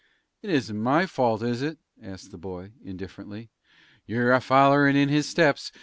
"It isn't my fault, is it?" asked the boy, indifferently. "You're a follerin' in his steps.